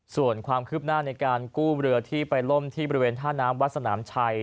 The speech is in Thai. ส่วนความคืบหน้าในการกู้เรือที่ไปล่มที่บริเวณท่าน้ำวัดสนามชัย